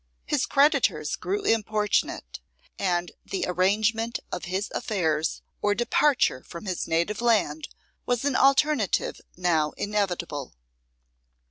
His creditors grew importunate, and the arrangement of his affairs or departure from his native land was an alternative now inevitable.